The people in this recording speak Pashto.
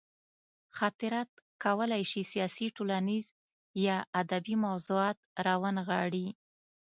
خاطرات کولی شي سیاسي، ټولنیز یا ادبي موضوعات راونغاړي.